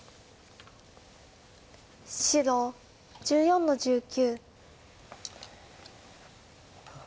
白１４の十九。